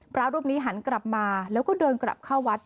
พระรูปนี้หันกลับมาแล้วก็เดินกลับเข้าวัด